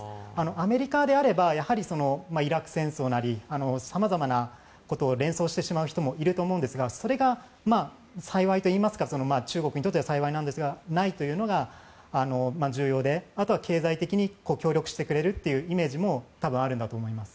アメリカであればやはりイラク戦争なり様々なことを連想してしまう人もいると思うんですがそれが幸いといいますか中国にとっては幸いなんですがないというのが重要であとは経済的に協力してくれるというイメージも多分あるんだと思います。